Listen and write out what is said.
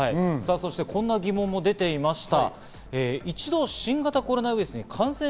こんな疑問も出ていました。